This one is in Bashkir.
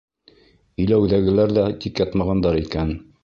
Иләүҙәгеләр ҙә тик ятмағандар икән.